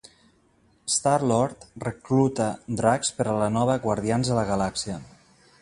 Star-Lord recluta Drax per a la nova Guardians de la Galàxia.